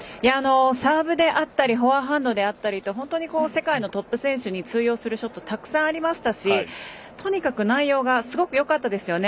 サーブであったりフォアハンドであったりと本当に世界のトップ選手に通用するショットがたくさんありましたしとにかく、内容がすごくよかったですよね。